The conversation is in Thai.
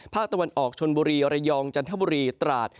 ภาคตะวันออกชนบุรีระยองจันทบุรีตราด